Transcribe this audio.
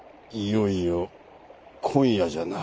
いよいよ今夜じゃな。